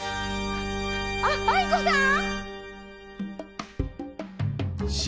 あ藍子さん！